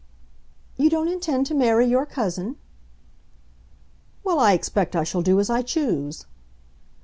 "You don't intend to marry your cousin?" "Well, I expect I shall do as I choose!"